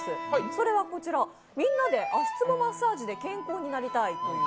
それはこちら、みんなで足つぼマッサージで健康になりたいという。